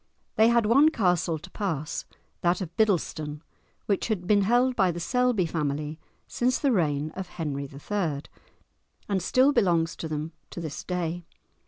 They had one castle to pass, that of Biddleston, which had been held by the Selby family since the reign of Henry III., and still belongs to them to this day.